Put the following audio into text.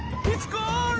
ゴール！